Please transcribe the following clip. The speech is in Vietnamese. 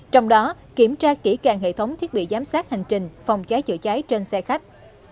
trong đó kiểm tra kỹ càng hệ thống thiết bị giám sát hành trình phòng cháy chữa cháy trên xe khách